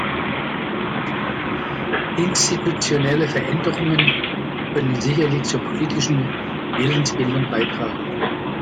Institutionelle Veränderungen können sicherlich zur politischen Willensbildung beitragen.